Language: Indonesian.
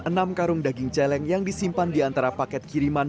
enam karung daging celeng yang disimpan di antara paket kiriman